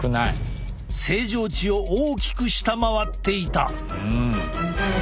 正常値を大きく下回っていた！